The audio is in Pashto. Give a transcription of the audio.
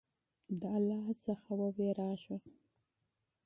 د الله څخه وډار شه !